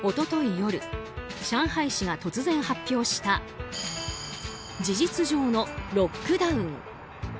一昨日夜上海市が突然発表した事実上のロックダウン。